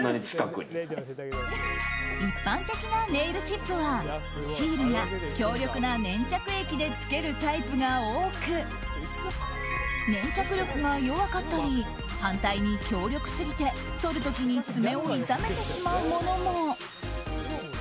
一般的なネイルチップはシールや強力な粘着液でつけるタイプが多く粘着力が弱かったり反対に強力すぎて取る時に爪を痛めてしまうものも。